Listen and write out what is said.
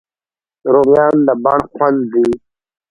رومیان د بڼ خوند دي